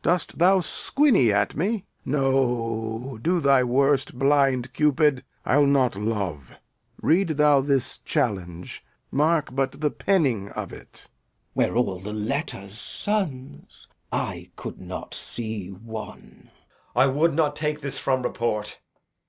Dost thou squiny at me? No, do thy worst, blind Cupid! I'll not love. Read thou this challenge; mark but the penning of it. Glou. Were all the letters suns, I could not see one. Edg. [aside] I would not take this from report.